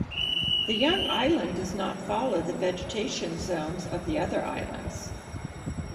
The young island does not follow the vegetation zones of the other islands.